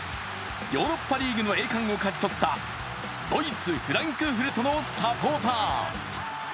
ヨーロッパリーグの栄冠を勝ち取ったドイツ・フランクフルトのサポーター。